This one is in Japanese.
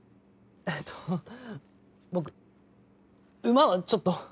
えっと僕馬はちょっと」。